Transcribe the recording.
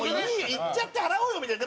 行っちゃって払おうよみたいな。